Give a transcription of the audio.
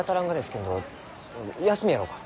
けんど休みやろうか？